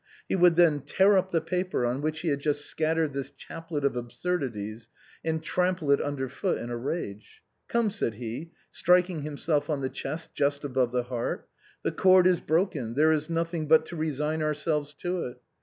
He would then tear up the paper, on which he had just scat tered this chaplet of absurdities, and trample it under foot in a rage. " Come," said he, striking himself on the chest just above the heart, " the cord is broken, there is nothing but to resign ourselves to it."